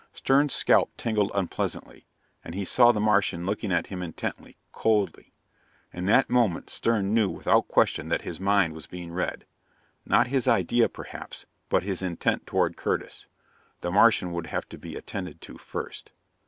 Stern's scalp tingled unpleasantly, and he saw the Martian looking at him intently, coldly. In that moment Stern knew without question that his mind was being read. Not his idea, perhaps, but his intent toward Curtis. The Martian would have to be attended to first.